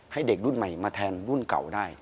ให้เด็กรุ่นใหม่มาแทนรุ่นเก่าได้